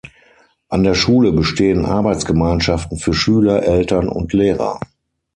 An der Schule bestehen Arbeitsgemeinschaften für Schüler, Eltern und Lehrer.